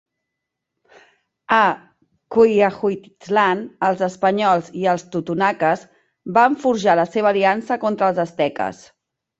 A Quiahuiztlan, els espanyols i els totonaques van forjar la seva aliança contra els asteques.